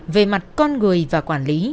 về mặt con người và quản lý